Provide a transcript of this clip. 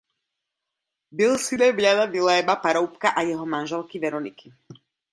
Byl synem Jana Viléma Paroubka a jeho manželky Veroniky.